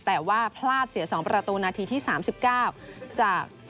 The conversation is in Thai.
แต่ว่าพลาดเสีย๒ประตูนาทีที่๓๙จาก